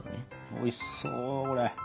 おいしそうこれ！いや。